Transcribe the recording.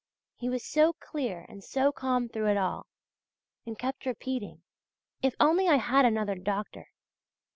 He was so clear and so calm through it all, and kept repeating: "If only I had another doctor!"